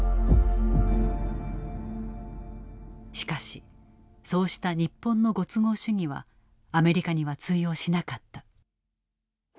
しかしそうした日本のご都合主義はアメリカには通用しなかった。